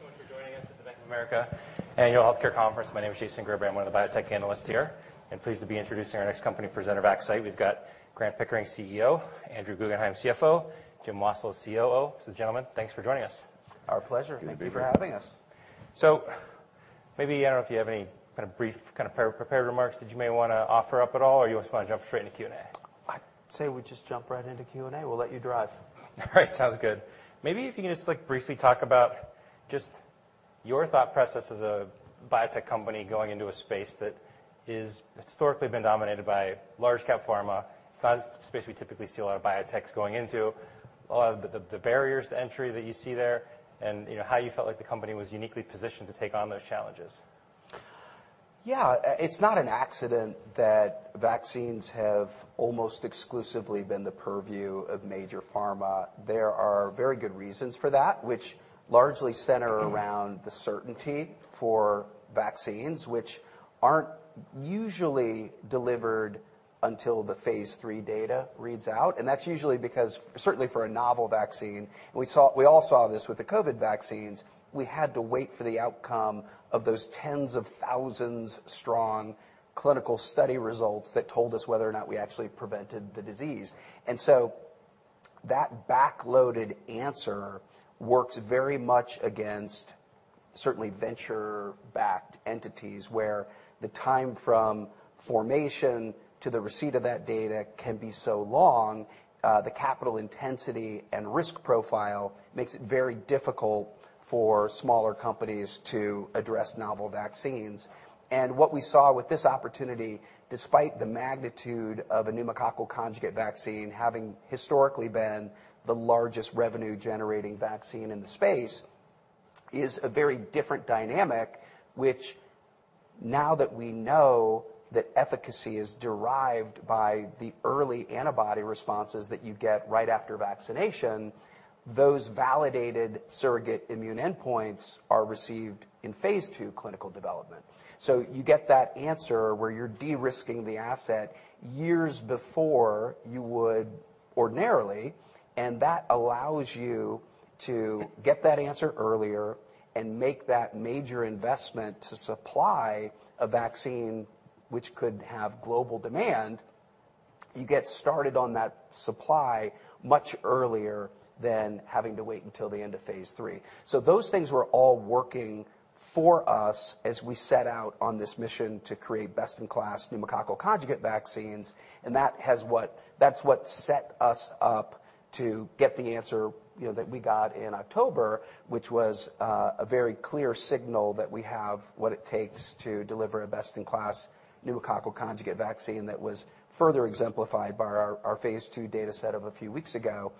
Thanks so much for joining us at the Bank of America Annual Healthcare Conference. My name is Jason Gerberry. I'm one of the biotech analysts here and pleased to be introducing our next company presenter, Vaxcyte. We've got Grant Pickering, CEO, Andrew Guggenhime, CFO, Jim Wassil, COO. Gentlemen, thanks for joining us. Our pleasure. Good to be here. Thank you for having us. Maybe, I don't know if you have any kind of brief kind of pre-prepared remarks that you may want to offer up at all, or you just want to jump straight into Q&A? I'd say we just jump right into Q&A. We'll let you drive. All right, sounds good. Maybe if you can just like briefly talk about just your thought process as a biotech company going into a space that is historically been dominated by large cap pharma? It's not a space we typically see a lot of biotechs going into. A lot of the barriers to entry that you see there and, you know, how you felt like the company was uniquely positioned to take on those challenges? Yeah. It's not an accident that vaccines have almost exclusively been the purview of major pharma. There are very good reasons for that, which largely center-. Mm-hmm around the certainty for vaccines, which aren't usually delivered until the phase III data reads out. That's usually because certainly for a novel vaccine, we all saw this with the COVID vaccines, we had to wait for the outcome of those tens of thousands strong clinical study results that told us whether or not we actually prevented the disease. That back-loaded answer works very much against certainly venture-backed entities, where the time from formation to the receipt of that data can be so long, the capital intensity and risk profile makes it very difficult for smaller companies to address novel vaccines. What we saw with this opportunity, despite the magnitude of a pneumococcal conjugate vaccine having historically been the largest revenue-generating vaccine in the space, is a very different dynamic, which now that we know that efficacy is derived by the early antibody responses that you get right after vaccination, those validated surrogate immune endpoints are received in phase II clinical development. You get that answer where you're de-risking the asset years before you would ordinarily, and that allows you to get that answer earlier and make that major investment to supply a vaccine which could have global demand. You get started on that supply much earlier than having to wait until the end of phase III. Those things were all working for us as we set out on this mission to create best-in-class pneumococcal conjugate vaccines, and that's what set us up to get the answer, you know, that we got in October, which was a very clear signal that we have what it takes to deliver a best-in-class pneumococcal conjugate vaccine that was further exemplified by our phase II data set of a few weeks ago.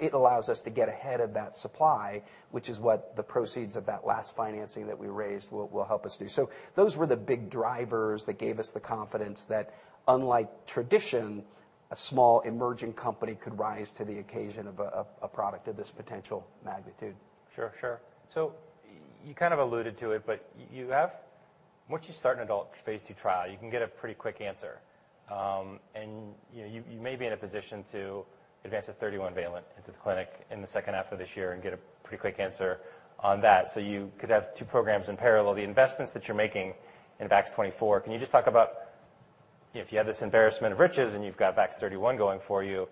It allows us to get ahead of that supply, which is what the proceeds of that last financing that we raised will help us do. Those were the big drivers that gave us the confidence that, unlike tradition, a small emerging company could rise to the occasion of a product of this potential magnitude. Sure. Sure. You kind of alluded to it, but you have once you start an adult phase II trial, you can get a pretty quick answer. You know, you may be in a position to advance a 31-valent into the clinic in the second half of this year and get a pretty quick answer on that, you could have two programs in parallel. The investments that you're making in VAX-24, can you just talk about if you have this embarrassment of riches and you've got VAX-31 going for you,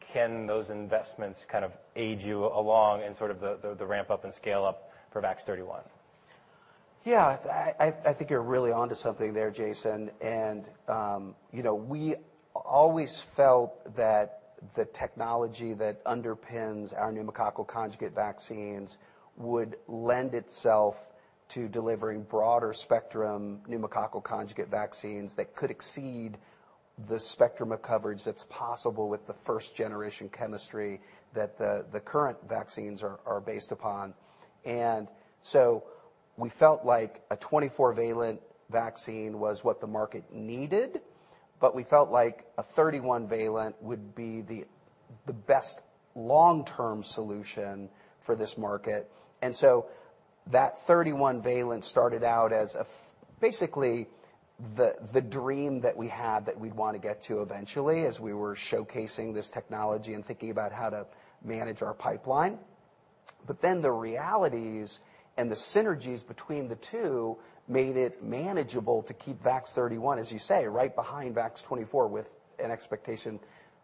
can those investments kind of aid you along in sort of the ramp up and scale up for VAX-31? Yeah. I think you're really onto something there, Jason Gerberry. You know, we always felt that the technology that underpins our pneumococcal conjugate vaccines would lend itself to delivering broader spectrum pneumococcal conjugate vaccines that could exceed the spectrum of coverage that's possible with the first generation chemistry that the current vaccines are based upon. We felt like a 24-valent vaccine was what the market needed, but we felt like a 31-valent would be the best long-term solution for this market. That 31-valent started out as basically the dream that we had that we'd wanna get to eventually as we were showcasing this technology and thinking about how to manage our pipeline. The realities and the synergies between the two made it manageable to keep VAX-31, as you say, right behind VAX-24, with an expectation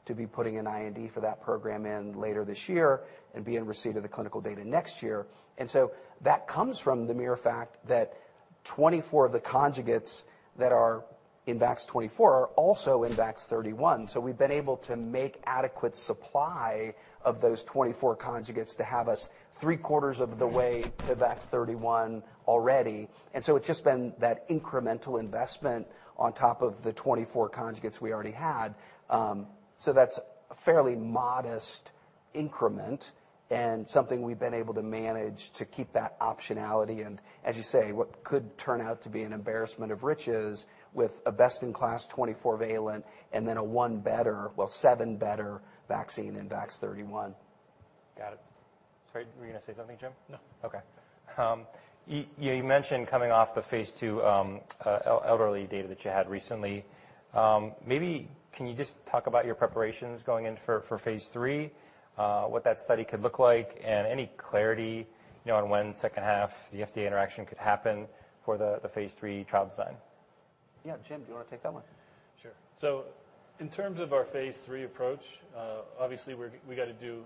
to be putting an IND for that program in later this year and be in receipt of the clinical data next year. That comes from the mere fact that 24 of the conjugates that are in VAX-24 are also in VAX-31. We've been able to make adequate supply of those 24 conjugates to have us three-quarters of the way to VAX-31 already. It's just been that incremental investment on top of the 24 conjugates we already had. That's a fairly modest increment and something we've been able to manage to keep that optionality and, as you say, what could turn out to be an embarrassment of riches with a best-in-class 24-valent and then a one better, well, seven better vaccine in VAX-31. Got it. Sorry, were you gonna say something, Jim? No. Okay. You mentioned coming off the phase II, elderly data that you had recently. Maybe can you just talk about your preparations going in for phase III, what that study could look like and any clarity, you know, on when second half the FDA interaction could happen for the phase III trial design? Yeah. Jim, do you want to take that one? Sure. In terms of our phase III approach, obviously we gotta do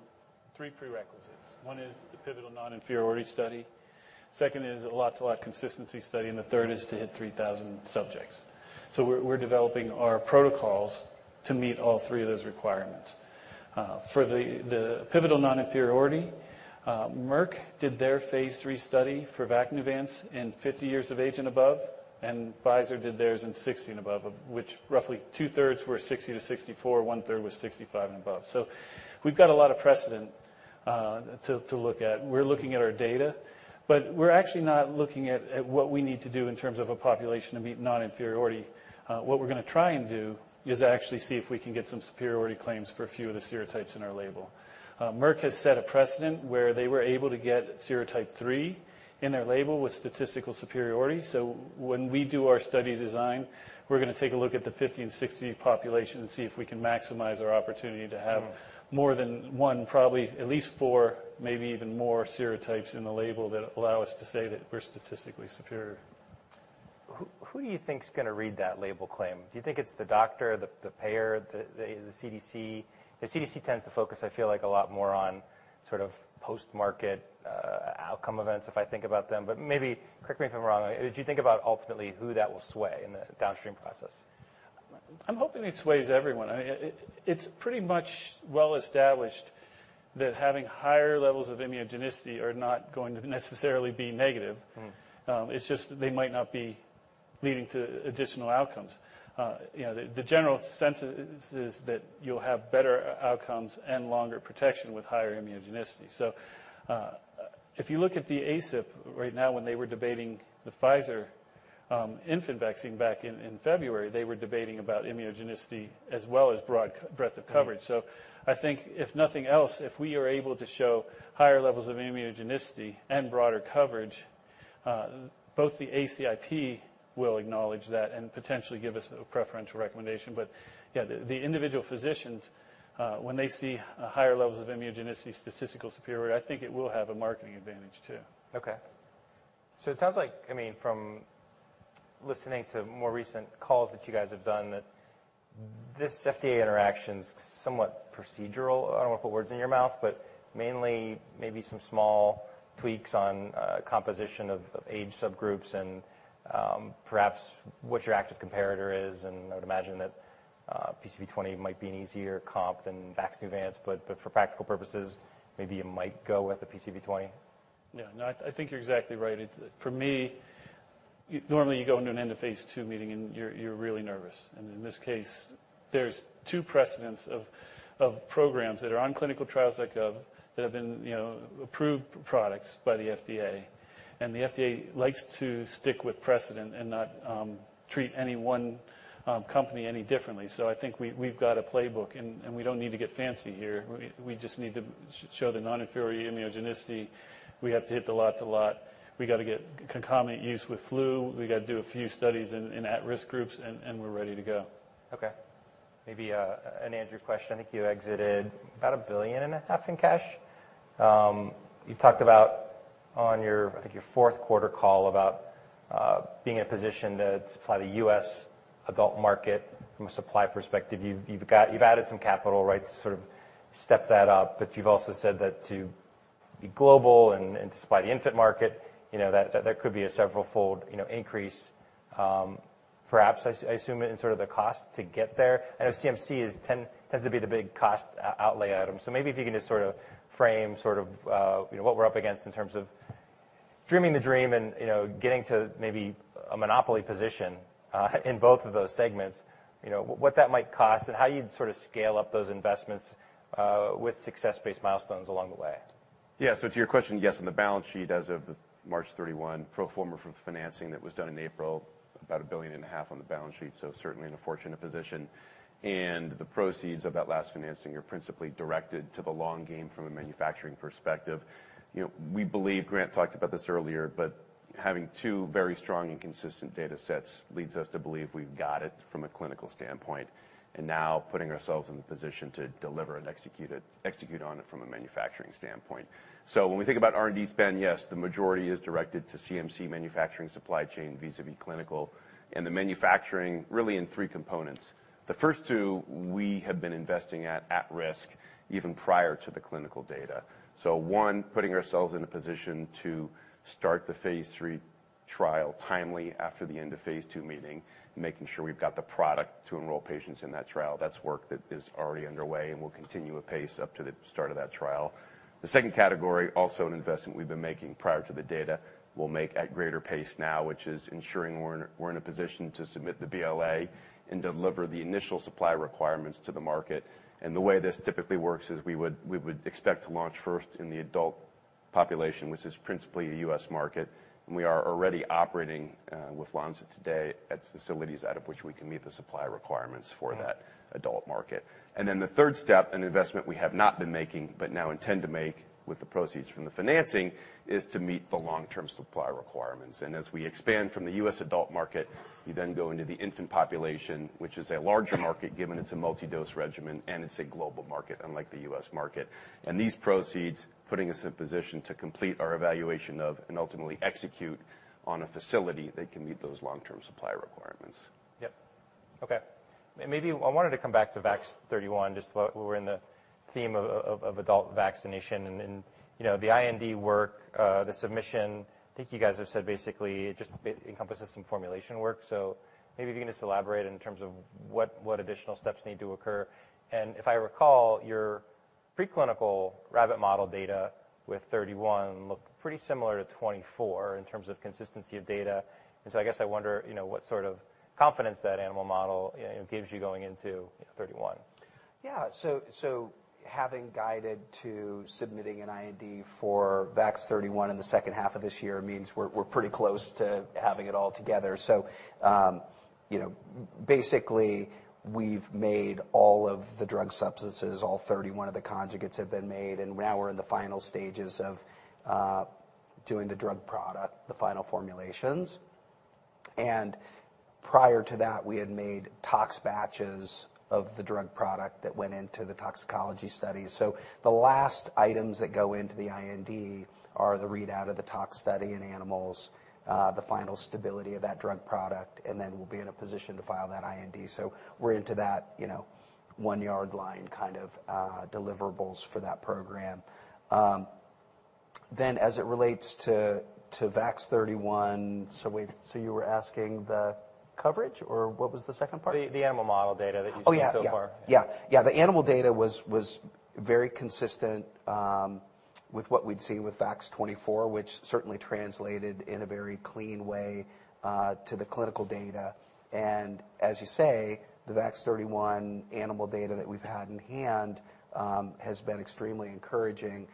three prerequisites. One is the pivotal non-inferiority study. Second is a lot-to-lot consistency study, and the third is to hit 3,000 subjects. We're developing our protocols to meet all three of those requirements. For the pivotal non-inferiority, Merck did their phase III study for Vaxneuvance in 50 years of age and above, and Pfizer did theirs in 60 and above, of which roughly two-thirds were 60-64, one-third was 65 and above. We've got a lot of precedent to look at. We're looking at our data, but we're actually not looking at what we need to do in terms of a population to meet non-inferiority. What we're gonna try and do is actually see if we can get some superiority claims for a few of the serotypes in our label. Merck has set a precedent where they were able to get serotype three in their label with statistical superiority. When we do our study design, we're gonna take a look at the 50 and 60 population and see if we can maximize our opportunity to have more than one, probably at least four, maybe even more serotypes in the label that allow us to say that we're statistically superior. Who do you think is gonna read that label claim? Do you think it's the doctor, the payer, the CDC? The CDC tends to focus, I feel like, a lot more on sort of post-market, outcome events if I think about them, but maybe correct me if I'm wrong. Did you think about ultimately who that will sway in the downstream process? I'm hoping it sways everyone. It's pretty much well established that having higher levels of immunogenicity are not going to necessarily be negative. Mm-hmm. It's just they might not be leading to additional outcomes. You know, the general sense is that you'll have better outcomes and longer protection with higher immunogenicity. If you look at the ACIP right now, when they were debating the Pfizer infant vaccine back in February, they were debating about immunogenicity as well as broad breadth of coverage. Mm-hmm. I think if nothing else, if we are able to show higher levels of immunogenicity and broader coverage, both the ACIP will acknowledge that and potentially give us a preferential recommendation. Yeah, the individual physicians, when they see higher levels of immunogenicity, statistical superiority, I think it will have a marketing advantage too. It sounds like, I mean, from listening to more recent calls that you guys have done, that this FDA interaction's somewhat procedural. I don't want to put words in your mouth, but mainly maybe some small tweaks on composition of age subgroups and perhaps what your active comparator is. I would imagine that PCV20 might be an easier comp than Vaxneuvance, but for practical purposes, maybe you might go with the PCV20. No, I think you're exactly right. It's, for me, you normally you go into an End of Phase II meeting, and you're really nervous. In this case, there's two precedents of programs that are on ClinicalTrials.gov that have been, you know, approved products by the FDA, and the FDA likes to stick with precedent and not treat any one company any differently. I think we've got a playbook, and we don't need to get fancy here. We just need to show the non-inferiority immunogenicity. We have to hit the lot to lot. We gotta get concomitant use with flu. We gotta do a few studies in at-risk groups, and we're ready to go. Maybe an Andrew question. I think you exited about a billion and a half in cash. You talked about on your, I think your fourth quarter call about being in a position to supply the U.S. adult market from a supply perspective. You've added some capital, right? To sort of step that up. You've also said that to be global and supply the infant market, you know, that could be a several fold, you know, increase, perhaps I assume in sort of the cost to get there. I know CMC tends to be the big cost outlay item. Maybe if you can just sort of frame sort of, you know, what we're up against in terms of dreaming the dream and, you know, getting to maybe a monopoly position, in both of those segments. What that might cost and how you'd sort of scale up those investments, with success-based milestones along the way. Yeah. To your question, yes, on the balance sheet as of the March 31 pro forma from financing that was done in April, about a billion and a half on the balance sheet, certainly in a fortunate position. The proceeds of that last financing are principally directed to the long game from a manufacturing perspective. You know, we believe, Grant talked about this earlier, having two very strong and consistent data sets leads us to believe we've got it from a clinical standpoint, and now putting ourselves in the position to deliver and execute on it from a manufacturing standpoint. When we think about R&D spend, yes, the majority is directed to CMC manufacturing supply chain vis-à-vis clinical and the manufacturing really in three components. The first two we have been investing at risk even prior to the clinical data. One, putting ourselves in a position to start the phase III trial timely after the End of Phase II meeting, making sure we've got the product to enroll patients in that trial. That's work that is already underway and will continue apace up to the start of that trial. The second category, also an investment we've been making prior to the data, we'll make at greater pace now, which is ensuring we're in a position to submit the BLA and deliver the initial supply requirements to the market. The way this typically works is we would expect to launch first in the adult Population, which is principally a U.S. market. We are already operating with Lonza today at facilities out of which we can meet the supply requirements for that adult market. Then the third step, an investment we have not been making, but now intend to make with the proceeds from the financing, is to meet the long-term supply requirements. As we expand from the U.S. adult market, you then go into the infant population, which is a larger market, given it's a multi-dose regimen, and it's a global market, unlike the U.S. market. These proceeds, putting us in a position to complete our evaluation of and ultimately execute on a facility that can meet those long-term supply requirements. Yep. Okay. Maybe I wanted to come back to VAX-31, just while we're in the theme of adult vaccination and, you know, the IND work, the submission. I think you guys have said basically it just encompasses some formulation work, so maybe if you can just elaborate in terms of what additional steps need to occur. If I recall, your preclinical rabbit model data with 31 looked pretty similar to 24 in terms of consistency of data. I guess I wonder, you know, what sort of confidence that animal model, you know, gives you going into 31. Yeah. Having guided to submitting an IND for VAX-31 in the second half of this year means we're pretty close to having it all together. You know, basically, we've made all of the drug substances, all 31 of the conjugates have been made. Now we're in the final stages of doing the drug product, the final formulations. Prior to that, we had made tox batches of the drug product that went into the toxicology study. The last items that go into the IND are the readout of the tox study in animals, the final stability of that drug product, and then we'll be in a position to file that IND. We're into that, you know, one yard line kind of deliverables for that program. As it relates to VAX-31, so wait, so you were asking the coverage, or what was the second part? The animal model data that you've seen so far. Yeah. Yeah. Yeah. Yeah, the animal data was very consistent with what we'd see with VAX-24, which certainly translated in a very clean way to the clinical data. As you say, the VAX-31 animal data that we've had in hand has been extremely encouraging.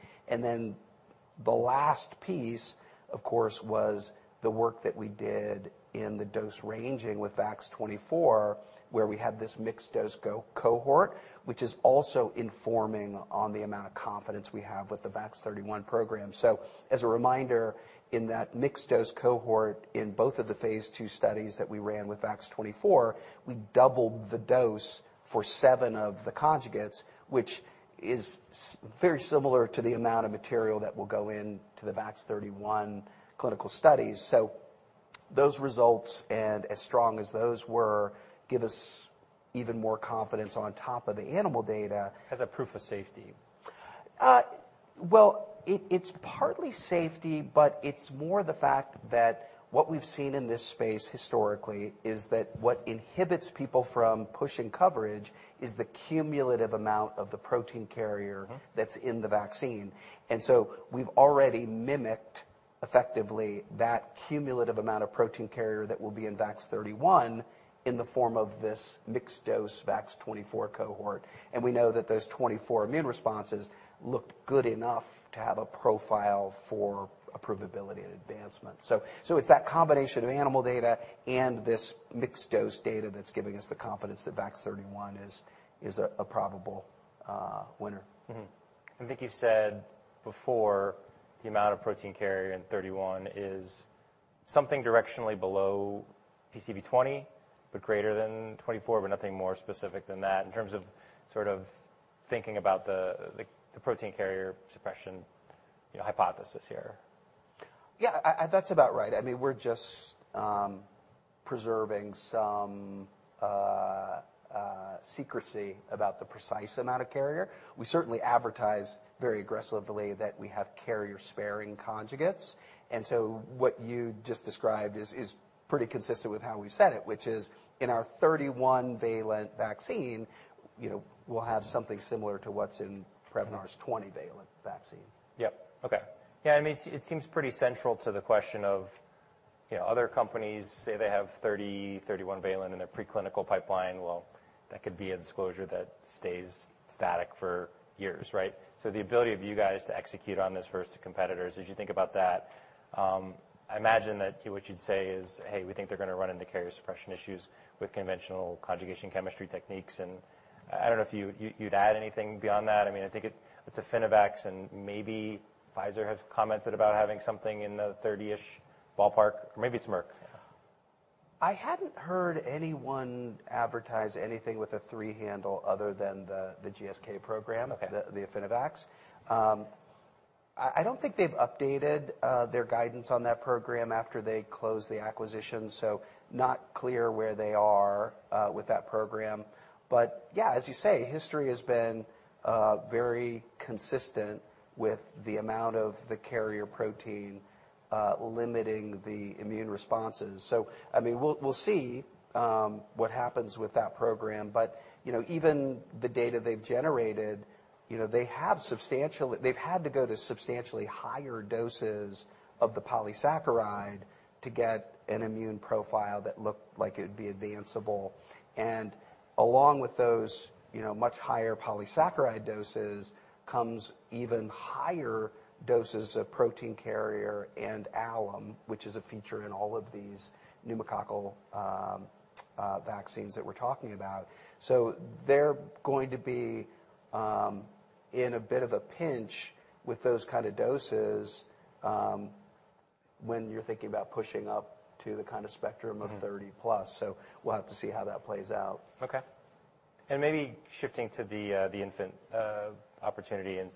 The last piece, of course, was the work that we did in the dose ranging with VAX-24, where we had this mixed dose cohort, which is also informing on the amount of confidence we have with the VAX-31 program. As a reminder, in that mixed dose cohort, in both of the phase two studies that we ran with VAX-24, we doubled the dose for seven of the conjugates, which is very similar to the amount of material that will go into the VAX-31 clinical studies. those results, and as strong as those were, give us even more confidence on top of the animal data. As a proof of safety. Well, it's partly safety, but it's more the fact that what we've seen in this space historically is that what inhibits people from pushing coverage is the cumulative amount of the protein carrier- Mm-hmm. that's in the vaccine. We've already mimicked effectively that cumulative amount of protein carrier that will be in VAX-31 in the form of this mixed dose VAX-24 cohort. We know that those 24 immune responses looked good enough to have a profile for approvability and advancement. It's that combination of animal data and this mixed dose data that's giving us the confidence that VAX-31 is a probable winner. Mm-hmm. I think you've said before the amount of protein carrier in 31 is something directionally below PCV20, but greater than 24, but nothing more specific than that in terms of sort of thinking about the, the protein carrier suppression, you know, hypothesis here. Yeah. That's about right. I mean, we're just preserving some secrecy about the precise amount of carrier. We certainly advertise very aggressively that we have carrier-sparing conjugates, what you just described is pretty consistent with how we've said it, which is in our 31-valent vaccine, you know, we'll have something similar to what's in Prevnar's 20-valent vaccine. Yep. Okay. Yeah, I mean, it seems pretty central to the question of, you know, other companies say they have 30, 31 valent in their preclinical pipeline. That could be a disclosure that stays static for years, right? The ability of you guys to execute on this versus competitors, as you think about that, I imagine that what you'd say is, "Hey, we think they're gonna run into carrier suppression issues with conventional conjugation chemistry techniques." I don't know if you'd add anything beyond that. I mean, I think it's Affinivax and maybe Pfizer have commented about having something in the 30-ish ballpark, or maybe it's Merck. I hadn't heard anyone advertise anything with a three handle other than the GSK program... Okay. The Affinivax. I don't think they've updated their guidance on that program after they closed the acquisition. Not clear where they are with that program. Yeah, as you say, history has been very consistent with the amount of the carrier protein limiting the immune responses. I mean, we'll see what happens with that program. You know, even the data they've generated, you know, they have substantial... They've had to go to substantially higher doses of the polysaccharide to get an immune profile that looked like it'd be advanceable. Along with those, you know, much higher polysaccharide doses comes even higher doses of protein carrier and alum, which is a feature in all of these pneumococcal vaccines that we're talking about. They're going to be in a bit of a pinch with those kind of doses when you're thinking about pushing up to the kind of spectrum. Mm-hmm. of 30+. We'll have to see how that plays out. Okay. Maybe shifting to the infant opportunity and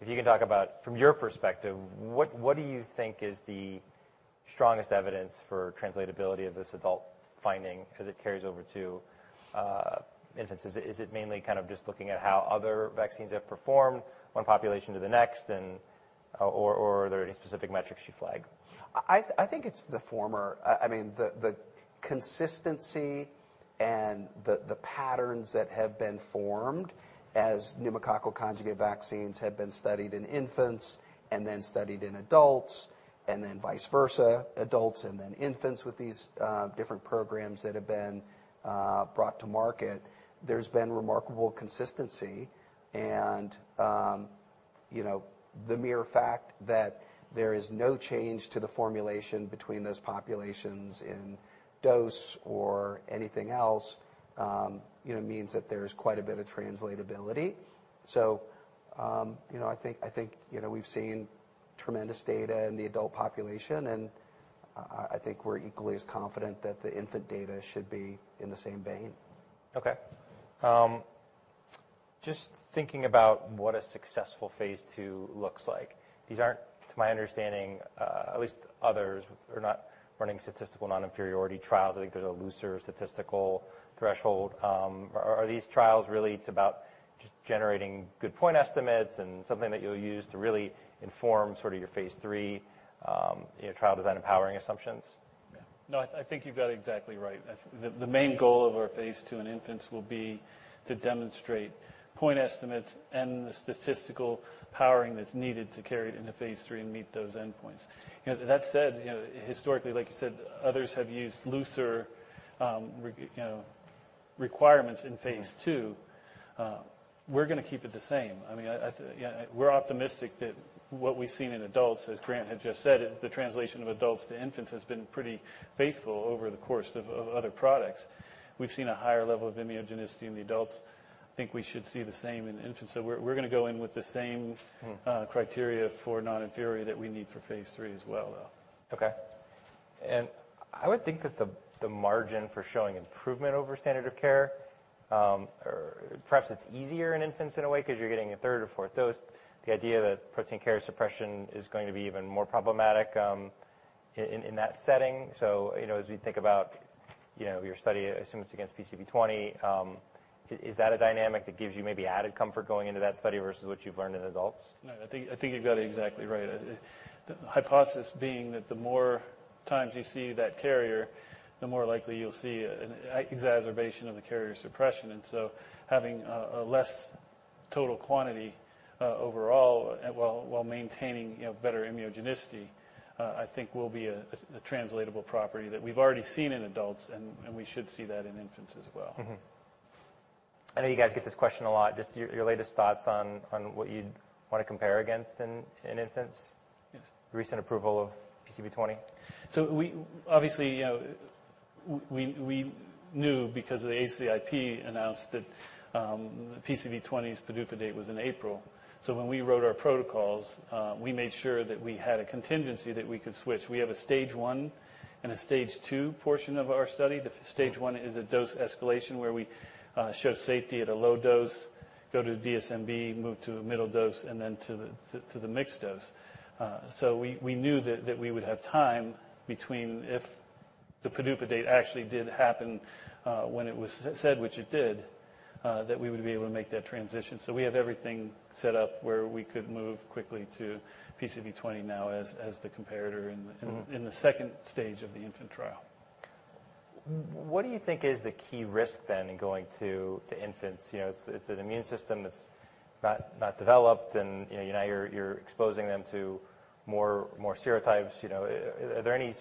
if you can talk about from your perspective, what do you think is the strongest evidence for translatability of this adult finding as it carries over to infants? Is it mainly kind of just looking at how other vaccines have performed one population to the next and Or are there any specific metrics you flag? I think it's the former. I mean, the consistency and the patterns that have been formed as pneumococcal conjugate vaccines have been studied in infants and then studied in adults and then vice versa, adults and then infants with these different programs that have been brought to market, there's been remarkable consistency. You know, the mere fact that there is no change to the formulation between those populations in dose or anything else, you know, means that there's quite a bit of translatability. You know, I think, you know, we've seen tremendous data in the adult population, and I think we're equally as confident that the infant data should be in the same vein. Okay. Just thinking about what a successful phase II looks like, these aren't, to my understanding, at least others are not running statistical non-inferiority trials. I think there's a looser statistical threshold. Are these trials really it's about just generating good point estimates and something that you'll use to really inform sort of your phase III, you know, trial design and powering assumptions? Yeah. I think you've got it exactly right. The main goal of our phase II in infants will be to demonstrate point estimates and the statistical powering that's needed to carry it into phase III and meet those endpoints. You know, that said, you know, historically, like you said, others have used looser, you know, requirements in phase II. We're gonna keep it the same. I mean, you know, we're optimistic that what we've seen in adults, as Grant had just said, the translation of adults to infants has been pretty faithful over the course of other products. We've seen a higher level of immunogenicity in the adults. I think we should see the same in infants. We're gonna go in with the same- Mm-hmm. criteria for non-inferior that we need for phase III as well, though. I would think that the margin for showing improvement over standard of care, or perhaps it's easier in infants in a way 'cause you're getting a third or fourth dose, the idea that protein carrier suppression is going to be even more problematic in that setting. You know, as we think about, you know, your study, I assume it's against PCV20, is that a dynamic that gives you maybe added comfort going into that study versus what you've learned in adults? No, I think you've got it exactly right. The hypothesis being that the more times you see that carrier, the more likely you'll see an exacerbation of the carrier suppression. Having a less total quantity overall while maintaining, you know, better immunogenicity, I think will be a translatable property that we've already seen in adults, and we should see that in infants as well. I know you guys get this question a lot. Just your latest thoughts on what you'd want to compare against in infants. Yes. Recent approval of PCV20. Obviously, you know, we knew because the ACIP announced that PCV20's PDUFA date was in April. When we wrote our protocols, we made sure that we had a contingency that we could switch. We have a Stage I and a Stage II portion of our study. The Stage I is a dose escalation where we show safety at a low dose, go to DSMB, move to a middle dose, and then to the mixed dose. We knew that we would have time between if the PDUFA date actually did happen when it was said, which it did, that we would be able to make that transition. We have everything set up where we could move quickly to PCV20 now as the comparator in the- Mm-hmm. in the second stage of the infant trial. What do you think is the key risk then in going to infants? You know, it's an immune system that's not developed and, you know, now you're exposing them to more serotypes. You know, are there any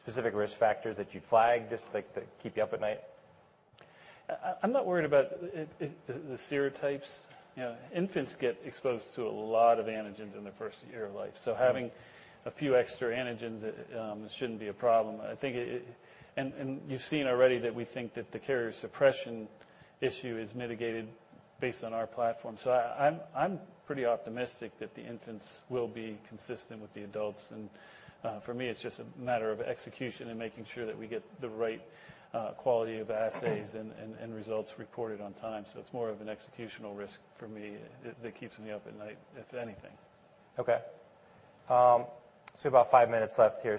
specific risk factors that you'd flag just like that keep you up at night? I'm not worried about it, the serotypes. You know, infants get exposed to a lot of antigens in their first year of life. Having a few extra antigens shouldn't be a problem. You've seen already that we think that the carrier suppression issue is mitigated based on our platform. I'm pretty optimistic that the infants will be consistent with the adults. For me, it's just a matter of execution and making sure that we get the right quality of assays and results reported on time. It's more of an executional risk for me that keeps me up at night, if anything. Okay. We have about five minutes left here.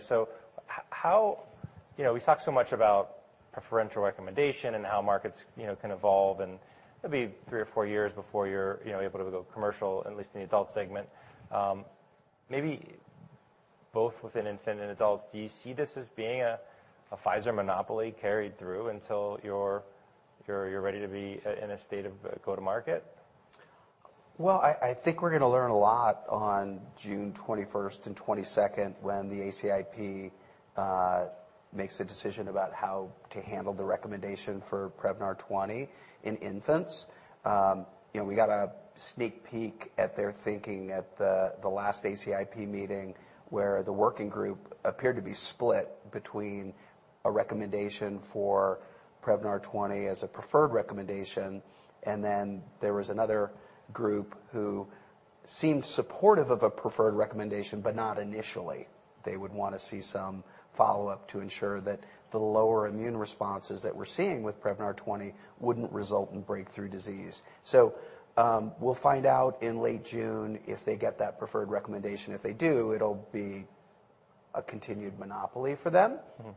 You know, we've talked so much about preferential recommendation and how markets, you know, can evolve, and it'll be three or four years before you're able to go commercial, at least in the adult segment. Maybe both within infant and adults, do you see this as being a Pfizer monopoly carried through until you're ready to be in a state of go to market? Well, I think we're gonna learn a lot on June 21st and 22nd when the ACIP makes a decision about how to handle the recommendation for Prevnar 20 in infants. You know, we got a sneak peek at their thinking at the last ACIP meeting, where the working group appeared to be split between a recommendation for Prevnar 20 as a preferred recommendation. There was another group who seemed supportive of a preferred recommendation, but not initially. They would wanna see some follow-up to ensure that the lower immune responses that we're seeing with Prevnar 20 wouldn't result in breakthrough disease. We'll find out in late June if they get that preferred recommendation. If they do, it'll be a continued monopoly for them. Mm-hmm.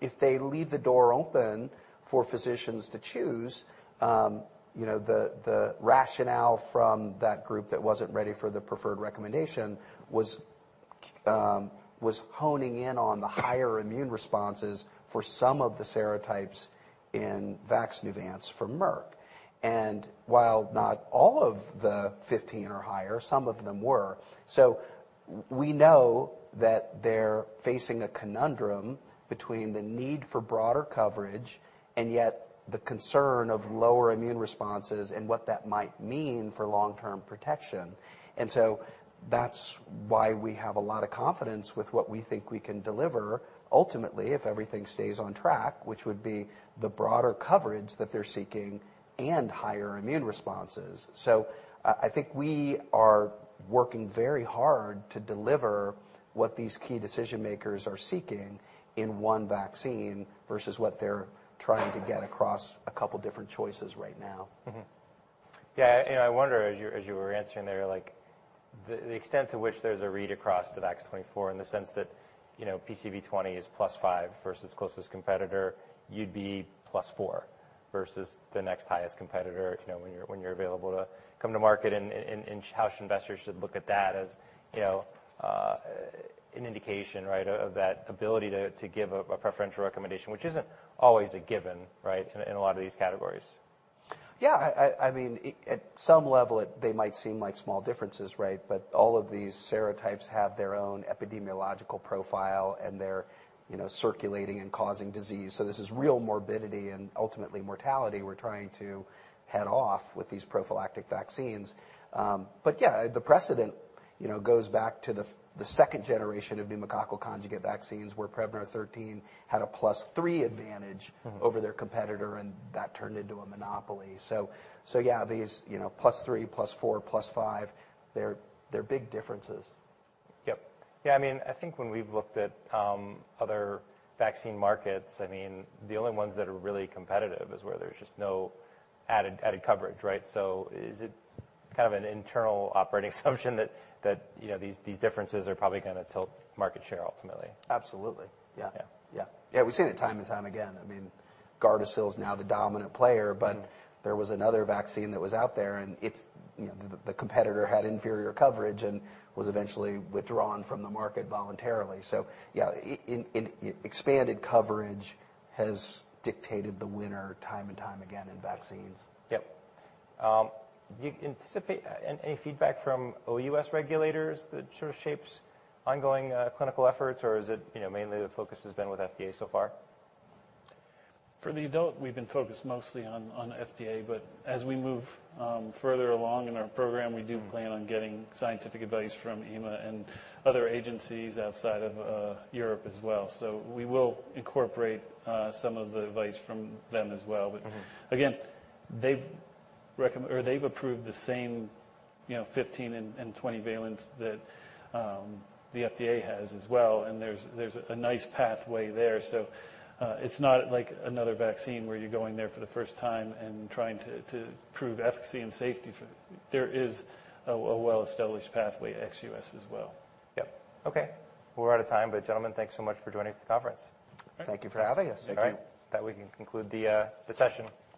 If they leave the door open for physicians to choose, you know, the rationale from that group that wasn't ready for the preferential recommendation was honing in on the higher immune responses for some of the serotypes in Vaxneuvance for Merck. While not all of the 15 are higher, some of them were. We know that they're facing a conundrum between the need for broader coverage and yet the concern of lower immune responses and what that might mean for long-term protection. That's why we have a lot of confidence with what we think we can deliver ultimately, if everything stays on track, which would be the broader coverage that they're seeking and higher immune responses. I think we are working very hard to deliver what these key decision makers are seeking in one vaccine versus what they're trying to get across a couple different choices right now. Mm-hmm. Yeah, I wonder as you, as you were answering there, like the extent to which there's a read across to VAX-24 in the sense that, you know, PCV20 is +5 versus closest competitor, you'd be +4 versus the next highest competitor, you know, when you're, when you're available to come to market and, and how investors should look at that as, you know, an indication, right, of that ability to give a preferential recommendation, which isn't always a given, right, in a, in a lot of these categories. Yeah. I mean at some level, they might seem like small differences, right? All of these serotypes have their own epidemiological profile, and they're, you know, circulating and causing disease. This is real morbidity and ultimately mortality we're trying to head off with these prophylactic vaccines. Yeah, the precedent, you know, goes back to the second generation of pneumococcal conjugate vaccines where Prevnar 13 had a +3 advantage- Mm-hmm... over their competitor, and that turned into a monopoly. Yeah, these, you know, +3, +4, +5, they're big differences. Yep. Yeah, I mean, I think when we've looked at, other vaccine markets, I mean, the only ones that are really competitive is where there's just no added coverage, right? Is it kind of an internal operating assumption that, you know, these differences are probably gonna tilt market share ultimately? Absolutely. Yeah. Yeah. Yeah. Yeah, we've seen it time and time again. I mean, Gardasil is now the dominant player. Mm-hmm... there was another vaccine that was out there, and it's, you know, the competitor had inferior coverage and was eventually withdrawn from the market voluntarily. Yeah, expanded coverage has dictated the winner time and time again in vaccines. Yep. Do you anticipate any feedback from OUS regulators that sort of shapes ongoing clinical efforts, or is it, you know, mainly the focus has been with FDA so far? For the adult, we've been focused mostly on FDA. As we move further along in our program, we do plan on getting scientific advice from EMA and other agencies outside of Europe as well. We will incorporate some of the advice from them as well. Mm-hmm... again, they've approved the same, you know, 15 and 20 valent that the FDA has as well, and there's a nice pathway there. It's not like another vaccine where you're going there for the first time and trying to prove efficacy and safety for... There is a well-established pathway ex-U.S. as well. Yep. Okay. We're out of time, but gentlemen, thanks so much for joining us at the conference. Thank you. Thank you for having us. Thank you. All right. That we can conclude the session.